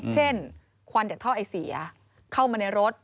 ควันจากท่อไอเสียเข้ามาในรถ